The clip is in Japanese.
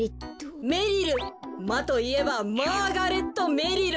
マといえばマーガレットメリル。